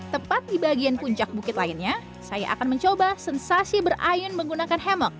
tepat di bagian puncak bukit lainnya saya akan mencoba sensasi berayun menggunakan hemok